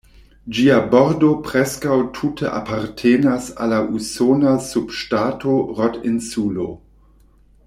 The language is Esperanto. Ĝia bordo preskaŭ tute apartenas al la usona subŝtato Rod-Insulo.